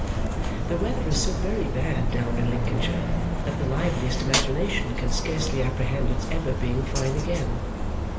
The weather is so very bad down in Lincolnshire that the liveliest imagination can scarcely apprehend its ever being fine again.